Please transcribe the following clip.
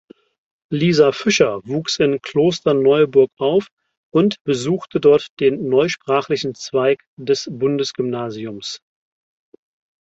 Lisa Fischer wuchs in Klosterneuburg auf und besuchte dort den neusprachlichen Zweig des Bundesgymnasiums.